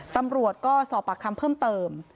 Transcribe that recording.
ตำรวจก็สอบปากคำเพิ่มเติม